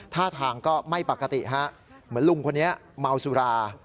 ท่าทางก็ไม่ปกติฮะเหมือนลุงคนนี้เมาสุรา